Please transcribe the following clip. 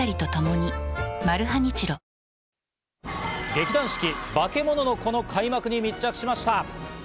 劇団四季『バケモノの子』の開幕に密着しました。